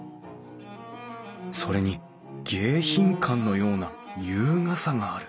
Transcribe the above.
それに迎賓館のような優雅さがある